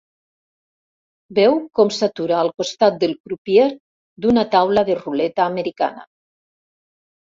Veu com s'atura al costat del crupier d'una taula de ruleta americana.